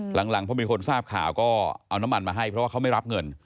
หลังพอมีคนทราบข่าวก็เอาน้ำมันมาให้เพราะว่าเขาไม่รับเงิน